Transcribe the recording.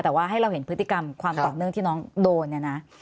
แต่ว่าให้เราเห็นพฤติกรรมความต่อเนื่องที่น้องโดนเนี่ยนะ